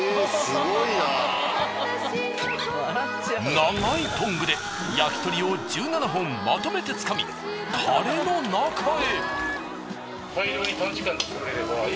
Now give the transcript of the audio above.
長いトングで焼き鳥を１７本まとめてつかみタレの中へ。